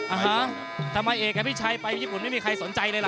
อาหารทำไมเอกกับพี่ชัยไปญี่ปุ่นไม่มีใครสนใจเลยล่ะ